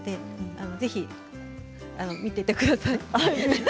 ぜひ見ていてください。